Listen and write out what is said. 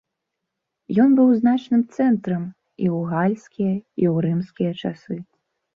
Ён быў значным цэнтрам і ў гальскія, і ў рымскія часы.